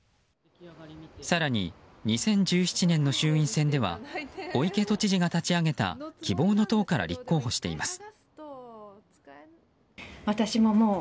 更に２０１７年の衆院選では小池都知事が立ち上げた希望の党から立候補しています。